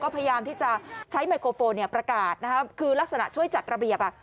พยายามที่จะใช้ไมโครโฟนประกาศคือลักษณะช่วยจัดระเบียบอ่ะ